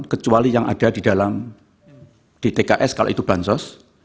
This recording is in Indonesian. kecuali yang ada di dalam dtks kalau itu bansos